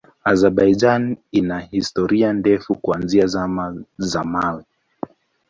Azerbaijan ina historia ndefu kuanzia Zama za Mawe.